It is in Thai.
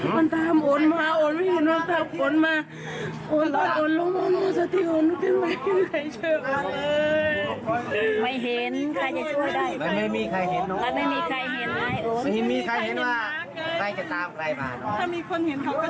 มันเห็นเขาก็ช่วยมากมันไม่มีคนเห็น